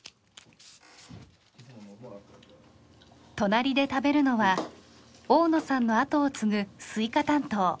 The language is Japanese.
隣で食べるのは大野さんの後を継ぐスイカ担当